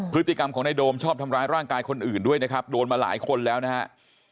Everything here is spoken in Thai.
พฤติกรรมของนายโดมชอบทำร้ายร่างกายคนอื่นด้วยนะครับโดนมาหลายคนแล้วนะฮะ